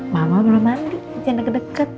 mama belum mandi jangan deket deket